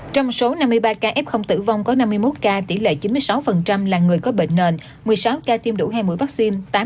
trong số năm mươi ba ca f tử vong có năm mươi một ca tỷ lệ chín mươi sáu là người có bệnh nền một mươi sáu ca tiêm đủ hai mươi vaccine